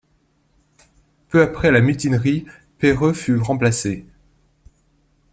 Peu après la mutinerie, Pereue fut remplacé.